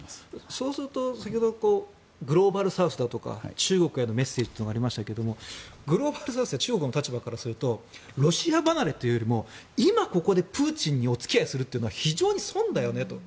そうすると、先ほどグローバルサウスだとか中国へのメッセージというのがありましたがグローバルサウスや中国の立場からするとロシア離れというよりも今ここでプーチンにお付き合いするというのは非常に損だよねと。